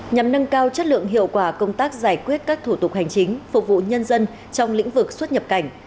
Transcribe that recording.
nhằm nâng cao chất lượng hiệu quả công tác giải quyết các thủ tục hành chính phục vụ nhân dân trong lĩnh vực xuất nhập cảnh